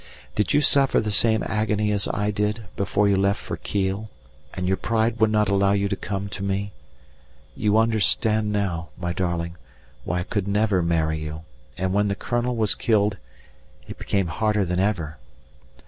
Did you suffer the same agony as I did before you left for Kiel, and your pride would not allow you to come to me? You understand now, my darling, why I could never marry you, and when the Colonel was killed it became harder than ever.